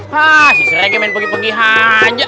hah si srege main pegi pegi aja